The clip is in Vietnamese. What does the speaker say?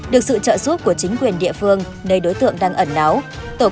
được sự trợ giúp của chính quyền địa phương nơi đối tượng đang ẩn náo